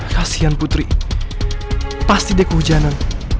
kasian putri pasti dia kehujanan